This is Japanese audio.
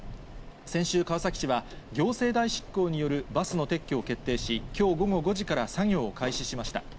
先週、川崎市は行政代執行によるバスの撤去を決定し、きょう午後５時から作業を開始しました。